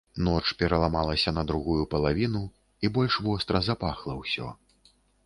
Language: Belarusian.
Ноч пераламалася на другую палавіну, і больш востра запахла ўсё.